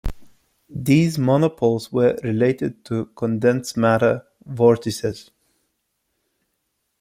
These monopoles were related to condensed matter vortices.